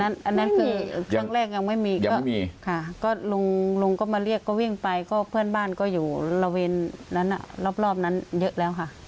อันนั้นคือครั้งแรกยังไม่มีค่ะก็ลุงก็มาเรียกก็วิ่งไปก็เพื่อนบ้านก็อยู่บริเวณนั้นรอบนั้นเยอะแล้วค่ะ